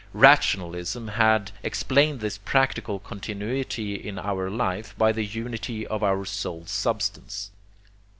Rationalism had explained this practical continuity in our life by the unity of our soul substance.